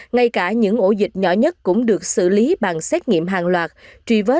ngay cả những ổ dịch nhỏ nhất cũng được xử lý bằng xét nghiệm hàng loạt